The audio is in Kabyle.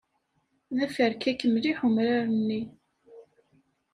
D aferkak mliḥ umrar-nni.